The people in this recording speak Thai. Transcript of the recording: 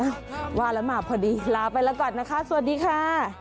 ว่าแล้วมาพอดีลาไปแล้วก่อนนะคะสวัสดีค่ะ